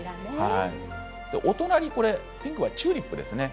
お隣、ピンクはチューリップです。